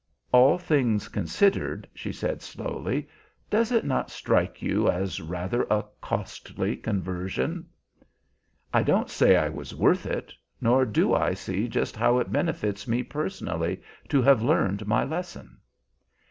"All things considered," she said slowly, "does it not strike you as rather a costly conversion?" "I don't say I was worth it, nor do I see just how it benefits me personally to have learned my lesson."